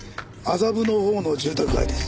麻布のほうの住宅街です。